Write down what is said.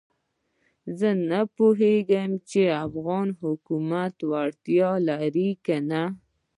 زه نه پوهېږم چې افغان حکومت وړتیا لري کنه.